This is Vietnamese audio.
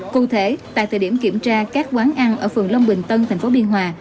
cụ thể tại thời điểm kiểm tra các quán ăn ở phường long bình tân tp biên hòa